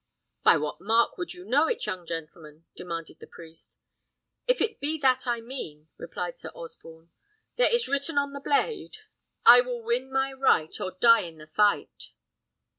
"By what mark would you know it, young gentleman?" demanded the priest. "If it be that I mean," replied Sir Osborne, "there is written on the blade I will win my right. Or die in the fight."